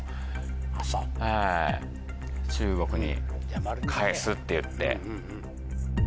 中国に返すっていって。